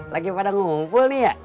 lagi pada ngumpul nih ya